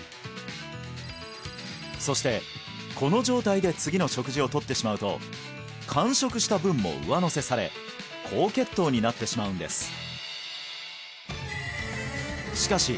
そしてこの状態で次の食事をとってしまうと間食した分も上乗せされ高血糖になってしまうんですしかし